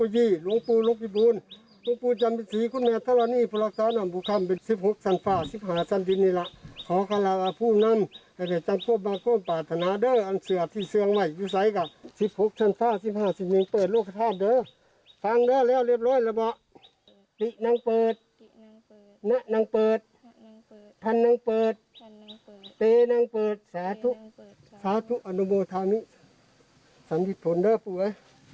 ตินังเปิดนังเปิดทันนังเปิดตีนังเปิดสาธุอนุโมธามิสันติธรรมด้าปุ๋ย